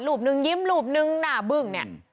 นึงยิ้มรูปนึงหน้าบึ้งเนี่ย